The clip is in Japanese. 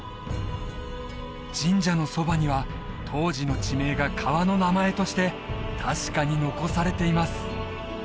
神社のそばには当時の地名が川の名前として確かに残されています